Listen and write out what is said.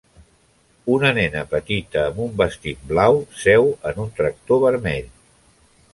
Una nena petita amb un vestit blau seu en un tractor vermell